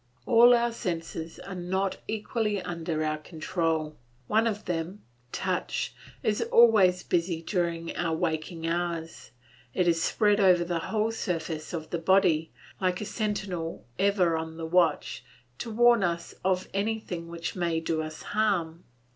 All our senses are not equally under our control. One of them, touch, is always busy during our waking hours; it is spread over the whole surface of the body, like a sentinel ever on the watch to warn us of anything which may do us harm.